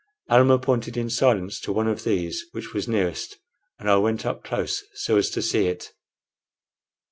Almah pointed in silence to one of these which was nearest, and I went up close so as to see it.